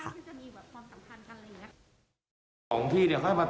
ก็แสดงว่าก็ได้สอบเพิ่มเติมแล้วใช่ไหมค่ะ